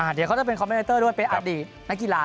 เดี๋ยวเขาจะเป็นคอมเมนเตอร์ด้วยเป็นอดีตนักกีฬา